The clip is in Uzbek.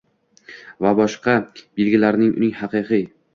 va boshqa belgilaridan uning haqiqiy